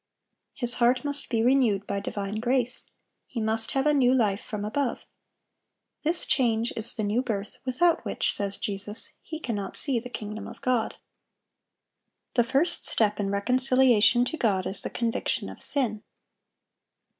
His heart must be renewed by divine grace; he must have a new life from above. This change is the new birth, without which, says Jesus, "he cannot see the kingdom of God." The first step in reconciliation to God, is the conviction of sin.